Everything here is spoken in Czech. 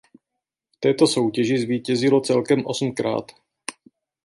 V této soutěži zvítězilo celkem osmkrát.